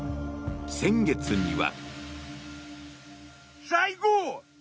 先月には。